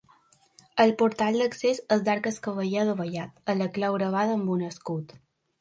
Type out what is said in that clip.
El portal d'accés és d'arc escarser adovellat, amb la clau gravada amb un escut.